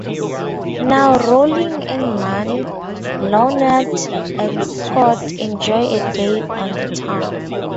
Now rolling in money, Leonard and Scott enjoy a day on the town.